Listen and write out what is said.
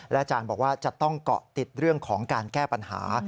อาจารย์บอกว่าจะต้องเกาะติดเรื่องของการแก้ปัญหา